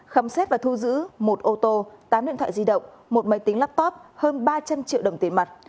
khám xét và thu giữ một ô tô tám điện thoại di động một máy tính laptop hơn ba trăm linh triệu đồng tiền mặt